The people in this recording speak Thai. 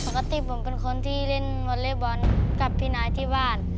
ปกติผมเป็นคนที่เล่นวอเล็กบอลกับพี่นายที่บ้าน